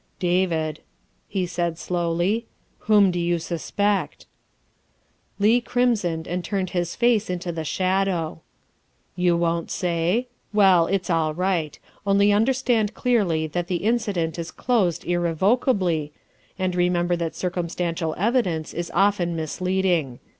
" David," he said slowly, " whom did you suspect?" Leigh crimsoned and turned his face into the shadow. " You won't say? Well, it's all right. Only under stand clearly that the incident is closed irrevocably, and remember that circumstantial evidence is often mislead ing.